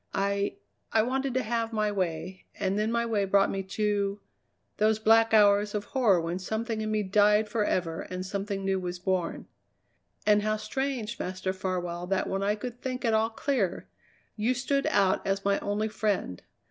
I I wanted to have my way, and then my way brought me to those black hours of horror when something in me died forever and something new was born. And how strange, Master Farwell, that when I could think at all clear you stood out as my only friend.